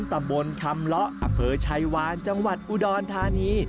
ตะบนคำละอเบอร์ชะวานจังหวัดอุดรธานี